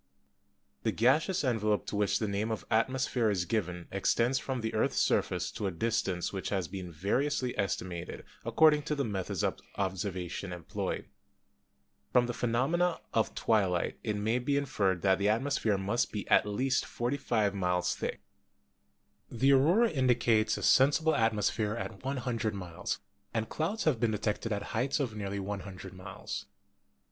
"The gaseous envelope to which the name of atmosphere is given extends from the earth's surface to a distance 83 84 GEOLOGY which has been variously estimated, according to the meth ods of observation employed. From the phenomena of twilight it may be inferred that the atmosphere must be at least 45 miles thick. The aurora indicates a sensible atmosphere at 100 miles, and clouds have been detected at heights of nearly 100 miles.